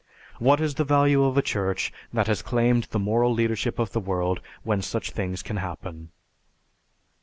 What is the value of a church that has claimed the moral leadership of the world when such things can happen?